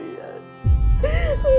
kesehatan ku ini